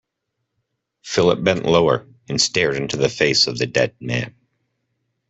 Philip bent lower, and stared into the face of the dead man.